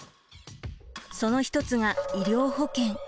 その一つが医療保険。